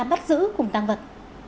bắt giữ cùng tăng vật